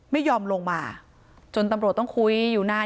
ไม่ยอมลงมาจนตำรวจต้องคุยอยู่นาน